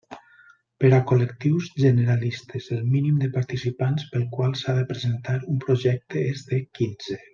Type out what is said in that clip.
Per a col·lectius generalistes: el mínim de participants pel qual s'ha de presentar un projecte és de quinze.